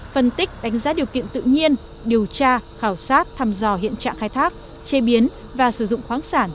phân tích đánh giá điều kiện tự nhiên điều tra khảo sát thăm dò hiện trạng khai thác chế biến và sử dụng khoáng sản